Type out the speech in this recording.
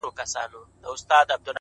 او ښه په ډاگه درته وايمه چي;